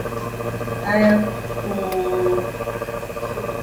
I opt for homemade food as it is more cost-effective.